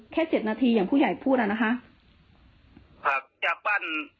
แค่เจ็ดนาทีอย่างผู้ใหญ่พูดอ่ะนะคะครับจากบ้าน